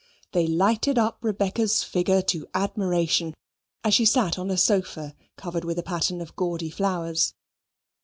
They lighted up Rebecca's figure to admiration, as she sat on a sofa covered with a pattern of gaudy flowers.